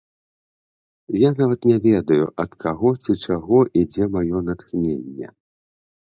Я нават не ведаю, ад каго ці чаго ідзе маё натхненне.